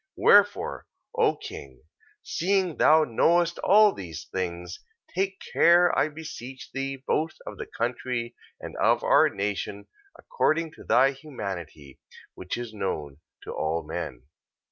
14:9. Wherefore, O king, seeing thou knowest all these things, take care, I beseech thee, both of the country, and of our nation, according to thy humanity which is known to all men.